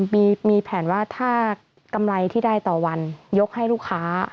มีแผนว่าถ้ากำไรที่ได้ต่อวันยกให้ลูกค้า